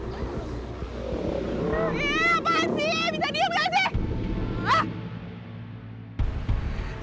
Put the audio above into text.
iih apaan sih bisa diem gak sih